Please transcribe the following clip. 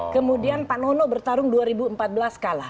kemudian pak nono bertarung dua ribu empat belas kalah